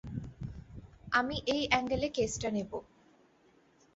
আমি এই অ্যাংগেলে কেসটা নেবো।